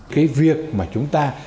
cái việc mà chúng ta